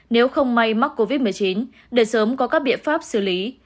nếu không may mắc covid một mươi chín để sớm có các biện pháp xử lý